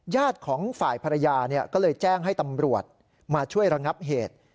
ของฝ่ายภรรยาก็เลยแจ้งให้ตำรวจมาช่วยระงับเหตุ